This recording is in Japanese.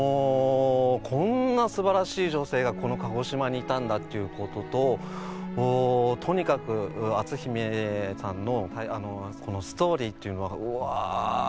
こんなすばらしい女性がこの鹿児島にいたんだっていうことととにかく篤姫さんのストーリーっていうのはうわ。